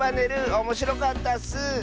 おもしろかったッス！